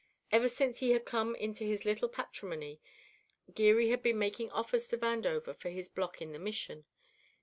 Ever since he had come into his little patrimony Geary had been making offers to Vandover for his block in the Mission.